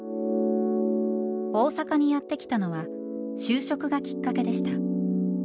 大阪にやって来たのは就職がきっかけでした。